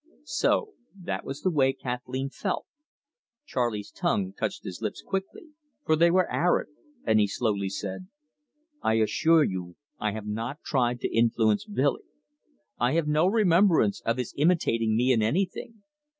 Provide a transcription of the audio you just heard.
So that was the way Kathleen felt! Charley's tongue touched his lips quickly, for they were arid, and he slowly said: "I assure you I have not tried to influence Billy. I have no remembrance of his imitating me in anything.